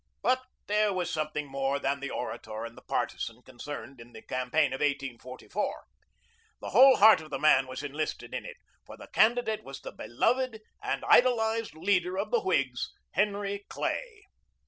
But there was something more than the orator and the partisan concerned in this campaign of 1844. The whole heart of the man was enlisted in it for the candidate was the beloved and idolized leader of the Whigs, Henry Clay.